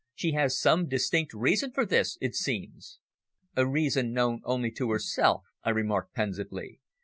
"She has some distinct reason for this, it seems." "A reason known only to herself," I remarked pensively.